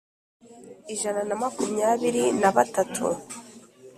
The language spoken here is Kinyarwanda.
ijana na makumyabiri na batatu